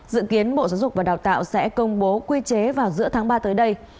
dự kiến bộ giáo dục và đào tạo sẽ công bố quy chế vào giữa tháng ba tới đây